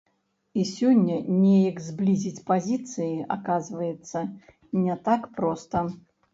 І сёння неяк зблізіць пазіцыі, аказваецца, не так проста.